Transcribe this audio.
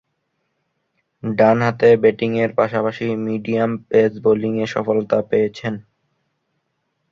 ডানহাতে ব্যাটিংয়ের পাশাপাশি মিডিয়াম-পেস বোলিংয়েও সফলতা পেয়েছেন।